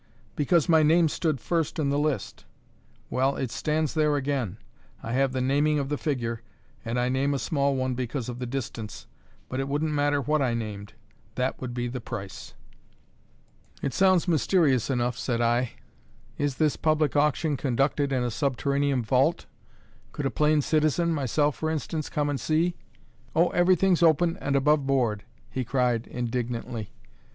Because my name stood first in the list. Well it stands there again; I have the naming of the figure, and I name a small one because of the distance: but it wouldn't matter what I named; that would be the price." "It sounds mysterious enough," said I. "Is this public auction conducted in a subterranean vault? Could a plain citizen myself, for instance come and see?" "O, everything's open and above board!" he cried indignantly.